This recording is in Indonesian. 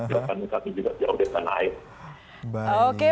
bukan kita juga jauh dari sana